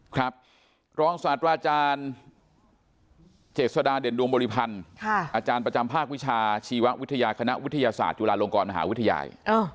ครับรองศาสตราอาจารย์เจษฎาเด่นดวงบริพันธ์อาจารย์ประจำภาควิชาชีววิทยาคณะวิทยาศาสตร์จุฬาลงกรมหาวิทยาลัย